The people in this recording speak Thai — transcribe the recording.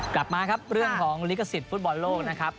กลับมาครับเรื่องของลิขสิทธิฟุตบอลโลกนะครับ